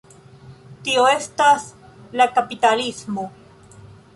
Tio estas la kapitalismo.